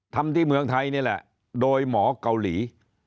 ทำที่เมืองไทยนี่แหละโดยหมอเกาหลี